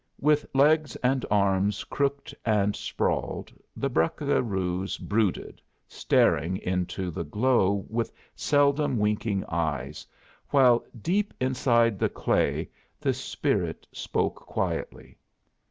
With legs and arms crooked and sprawled, the buccaroos brooded, staring into the glow with seldom winking eyes, while deep inside the clay the spirit spoke quietly.